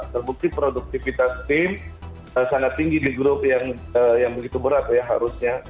terbukti produktivitas tim sangat tinggi di grup yang begitu berat ya harusnya